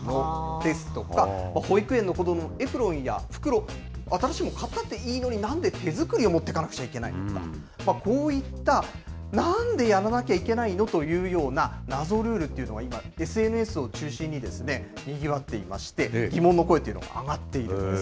ですとか、保育園の子ども、エプロンや袋、新しいもの買ったっていいのに、なんで手作りを持っていかなくちゃいけないのとか、こういったなんでやらなきゃいけないのというような謎ルールっていうのが今、ＳＮＳを中心ににぎわっていまして、疑問の声というのが上がっているんです。